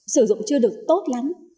sử dụng chưa được tốt lắm